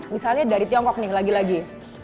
misalnya dari tiongkok nih lagi lagi